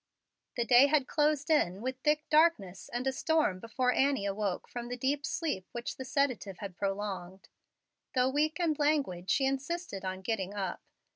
The day had closed in thick darkness and a storm before Annie awoke from the deep sleep which the sedative had prolonged. Though weak and languid, she insisted on getting up.